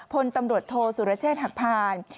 พลตำรวจโทษสุรเชษฐ์หักพาน